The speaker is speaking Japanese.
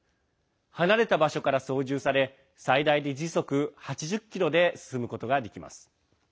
離れた場所から操縦され最大で時速８０キロで進むことができます。